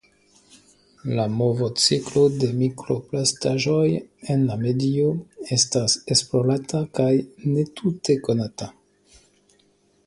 La movociklo de mikroplastaĵoj en la medio estas esplorata kaj ne tute konata.